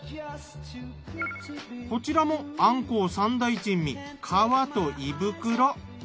こちらもアンコウ三大珍味皮と胃袋。